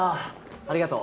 ありがとう。